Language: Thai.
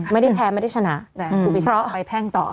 ไม่ได้แพ้ไม่ได้ชนะแต่ผู้บินไปแพ่งต่อ